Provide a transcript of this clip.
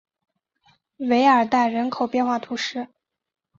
韦尔代人口变化图示